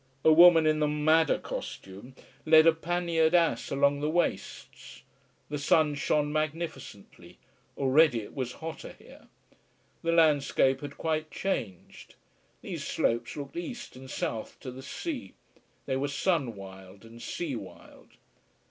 A woman in the madder costume led a panniered ass along the wastes. The sun shone magnificently, already it was hotter here. The landscape had quite changed. These slopes looked east and south to the sea, they were sun wild and sea wild.